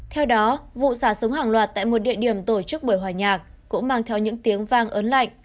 theo đó vụ xả súng hàng loạt tại một địa điểm tổ chức buổi hòa nhạc cũng mang theo những tiếng vang ớn lạnh